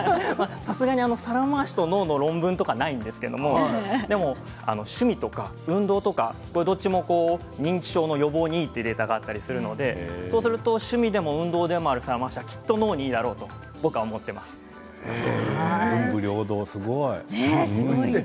さすがに皿回しと脳の論文とかはないんですけど趣味とか運動とかどちらも認知症の予防にいいというデータがあったりしてますので趣味でも運動でもある皿回しはきっと脳にもいいと文武両道、すごい。